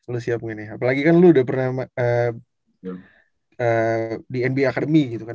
lu siap gak nih apalagi kan lu udah pernah di nba academy gitu kan